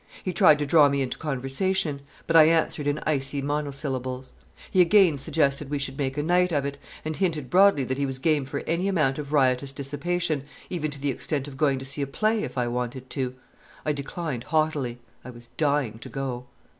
He tried to draw me into conversation; but I answered in icy monosyllables. He again suggested we should make a night of it, and hinted broadly that he was game for any amount of riotous dissipation, even to the extent of going to see a play if I wanted to. I declined haughtily. I was dying to go.